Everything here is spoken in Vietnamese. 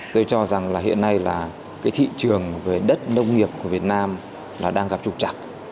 tôi cho rằng hiện nay là thị trường về đất nông nghiệp của việt nam đang gặp trục chặt